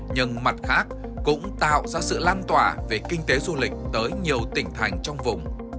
nhưng mặt khác cũng tạo ra sự lan tỏa về kinh tế du lịch tới nhiều tỉnh thành trong vùng